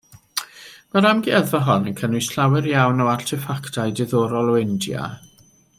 Mae'r amgueddfa hon yn cynnwys llawer iawn o arteffactau diddorol o India.